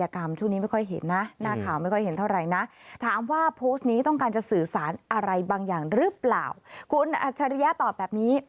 คุณอัจฉริยะตอบแบบนี้